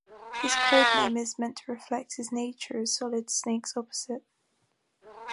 His codename is meant to reflect his nature as Solid Snake's opposite.